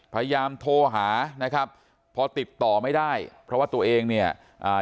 พยายามโทรหานะครับพอติดต่อไม่ได้เพราะว่าตัวเองเนี่ยอ่า